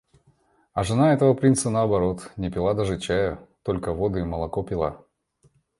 А жена этого принца, наоборот, не пила даже чаю, только воду и молоко пила.